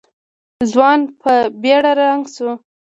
ځوان په بېړه رنګ شو.